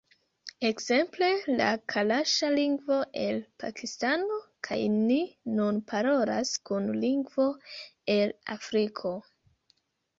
Ekzemple, la kalaŝa lingvo el Pakistano kaj ni nun parolas kun lingvo el Afriko